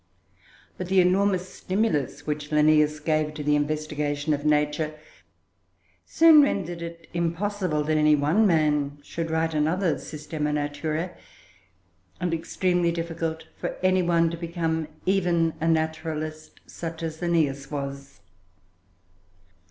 But the enormous stimulus which Linnaeus gave to the investigation of nature soon rendered it impossible that any one man should write another "Systema Naturae," and extremely difficult for any one to become even a naturalist such as Linnaeus was.